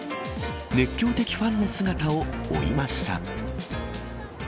熱狂的ファンの姿を追いました。